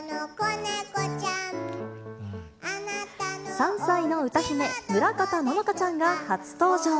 ３歳の歌姫、村方乃々佳ちゃんが初登場。